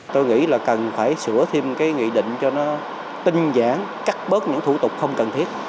tôi nghĩ là cần phải sửa thêm cái nghị định cho nó tinh giản cắt bớt những thủ tục không cần thiết